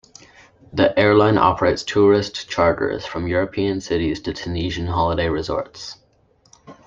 The airline operates tourist charters from European cities to Tunisian holiday resorts.